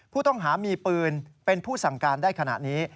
ผู้ต้องหามีปืนเป็นผู้สั่งการได้ขณะนี้